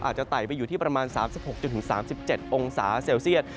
ไต่ไปอยู่ที่ประมาณ๓๖๓๗องศาเซลเซียต